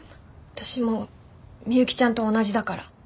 私も美幸ちゃんと同じだから。